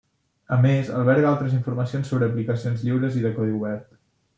A més, alberga altres informacions sobre aplicacions lliures i de codi obert.